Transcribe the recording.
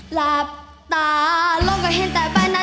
หลับตาลงก็เห็นแต่ไปนะ